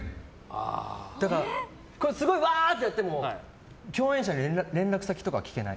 だから、すごいわーってやっても共演者に連絡先とかは聞けない。